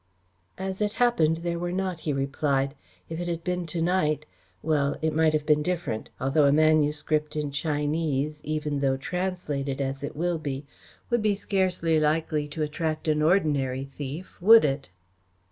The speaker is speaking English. "As it happened there were not," he replied. "If it had been to night well, it might have been different, although a manuscript in Chinese, even though translated, as it will be, would be scarcely likely to attract an ordinary thief, would it?"